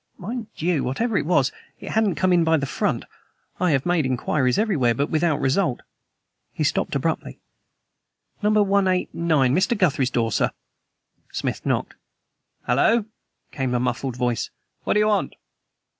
Mind you, whatever it was, it hadn't come in by the front. I have made inquiries everywhere, but without result." He stopped abruptly. "No. 189 Mr. Guthrie's door, sir." Smith knocked. "Hallo!" came a muffled voice; "what do you want?"